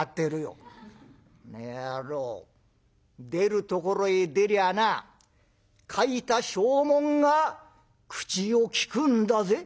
「コノヤロー出るところへ出りゃあな書いた証文が口を利くんだぜ」。